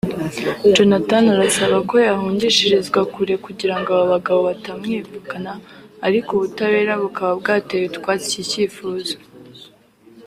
Jonathan arasaba ko yahungishirizwa kure kugira ngo aba bagabo batamwivugana ariko ubutabera bukaba bwateye utwatsi iki cyifuzo